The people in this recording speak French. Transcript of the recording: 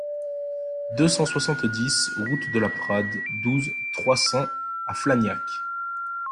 deux cent soixante-dix route de la Prade, douze, trois cents à Flagnac